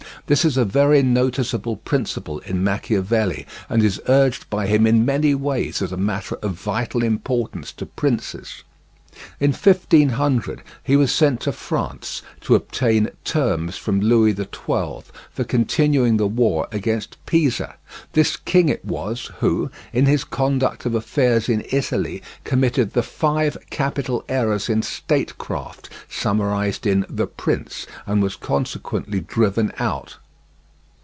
This is a very noticeable principle in Machiavelli, and is urged by him in many ways as a matter of vital importance to princes. In 1500 he was sent to France to obtain terms from Louis XII for continuing the war against Pisa: this king it was who, in his conduct of affairs in Italy, committed the five capital errors in statecraft summarized in The Prince, and was consequently driven out.